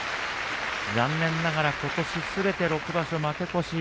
残念ながら、ことしすべて６場所負け越し。